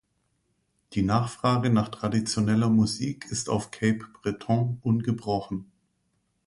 Die Nachfrage nach traditioneller Musik ist auf Cape Breton ungebrochen.